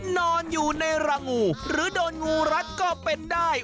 นอนอยู่ในรังงูหรือโดนงูรัดก็เป็นได้